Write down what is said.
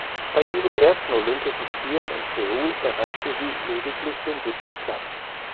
Bei ihren ersten Olympischen Spielen in Seoul erreichte sie lediglich den siebten Platz.